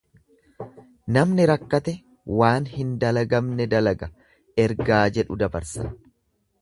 Namni rakkate waan hin dalagamne dalaga ergaa jedhu dabarsa.